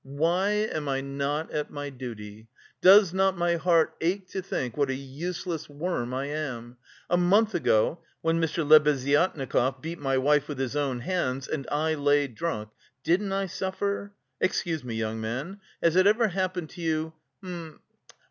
"Why am I not at my duty? Does not my heart ache to think what a useless worm I am? A month ago when Mr. Lebeziatnikov beat my wife with his own hands, and I lay drunk, didn't I suffer? Excuse me, young man, has it ever happened to you... hm...